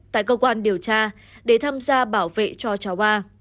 và các cơ quan điều tra để tham gia bảo vệ cho cháu a